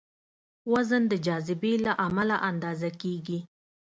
وزن د جاذبې له امله اندازه کېږي.